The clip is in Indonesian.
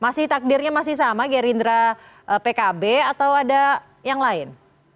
masih takdirnya masih sama gerindra pkb atau ada yang lain